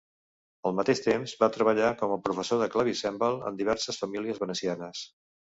Al mateix temps va treballar com a professor de clavicèmbal en diverses famílies venecianes.